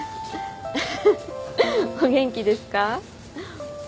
フフフお元気ですか？